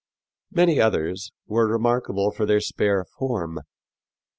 Many others were remarkable for their spare form.